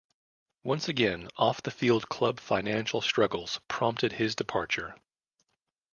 Once again off-the-field club financial struggles prompted his departure.